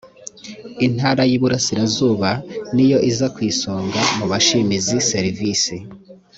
intara y iburasirazuba niyo iza ku isonga mu bashima izi serivisi